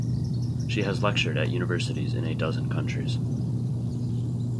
She has lectured at universities in a dozen countries.